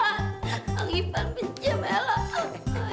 enggak nyipan bencim ella